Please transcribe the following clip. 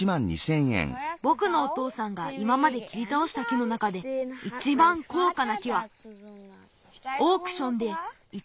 ぼくのおとうさんがいままできりたおした木の中でいちばんこうかな木はオークションで１